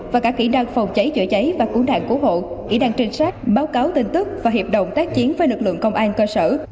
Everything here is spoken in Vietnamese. và cả kỹ năng phòng cháy chữa cháy và cứu nạn cứu hộ kỹ đăng trinh sát báo cáo tin tức và hiệp đồng tác chiến với lực lượng công an cơ sở